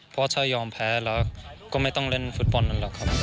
เพราะถ้ายอมแพ้ก็ไม่ต้องเล่นฟุตบอลดัน